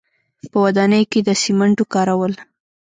په ودانیو کې د سیمنټو کارول.